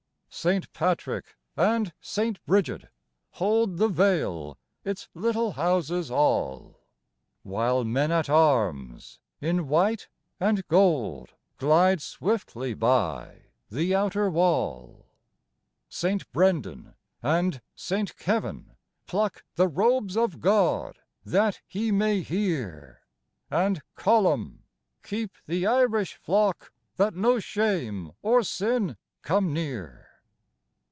THE WATCHERS IQ St Patrick and St Brigid hold The vale its little houses all, While men at arms in white and gold Glide swiftly by the outer wall. St Brendan and St Kevin pluck The robes of God that He may hear And Colum :" Keep the Irish flock So that no shame or sin come near."